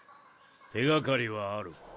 手掛かりはある。